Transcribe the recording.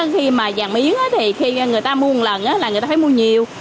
khi mà vàng miếng thì khi người ta mua một lần là người ta phải mua nhiều